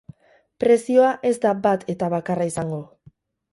Prezioa ez da bat eta bakarra izango.